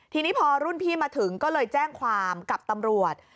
ทีนี้พอรุ่นพี่มาถึงก็เลยแจ้งความกับตำรวจ